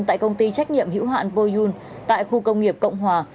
tại công ty trách nhiệm hữu hạn boyun tại khu công nghiệp cộng hòa